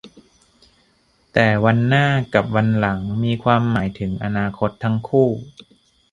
แต่ "วันหน้า" กับ "วันหลัง" มีความหมายถึงอนาคตทั้งคู่